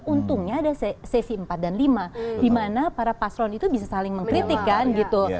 untungnya ada sesi empat dan lima di mana para paslon itu bisa saling mengkritik kan gitu